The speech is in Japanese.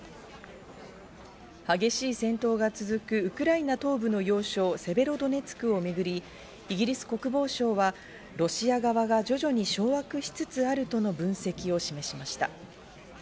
激しい戦闘が続くウクライナ東部の要衝セベロドネツクをめぐり、イギリス国防省はロシア側が徐々に掌握しつつあるとの分析を示しました。